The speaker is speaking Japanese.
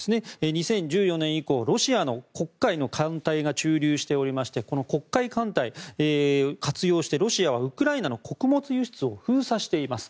２０１４年以降ロシアの黒海の艦隊が駐留しておりましてこの黒海艦隊を活用して、ロシアはウクライナの穀物輸出を封鎖しています。